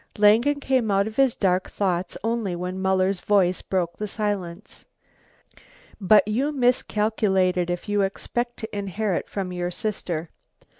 Langen came out of his dark thoughts only when Muller's voice broke the silence. "But you miscalculated, if you expected to inherit from your sister.